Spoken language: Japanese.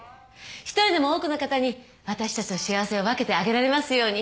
一人でも多くの方にわたしたちの幸せを分けてあげられますように。